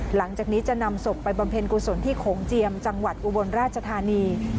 หลังจากนี้จะนำศพไปบำเพ็ญกุศลที่โขงเจียมจังหวัดอุบลราชธานี